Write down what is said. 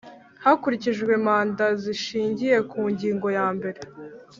Hakurikijwe manda zishingiye ku ngingo yambere